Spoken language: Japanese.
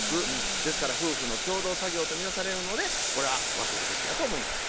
ですから夫婦の共同作業とみなされるのでこれは分けるべきやと思います。